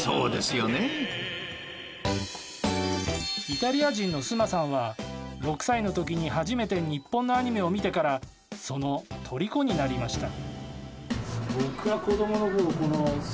イタリア人のスマさんは６歳の時に初めて日本のアニメを見てからそのとりこになりました。